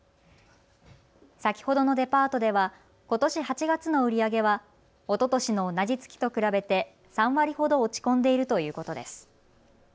先ほどのデパートではことし８月の売り上げはおととしの同じ月と比べて３割ほど落ち込んでいるということです。